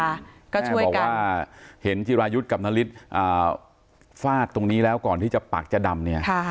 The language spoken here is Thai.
แม่บอกว่าเห็นจิรายุทธ์กับนาริสฟาดตรงนี้แล้วก่อนที่จะปากจะดำเนี่ย